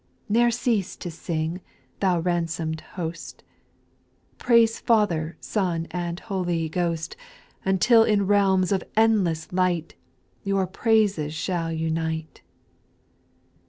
Ne'er cease to sing, thou ransom'd host ; Praise Father, Son, and Holy Ghost, Until in realms of endless light, Your praises shall unite.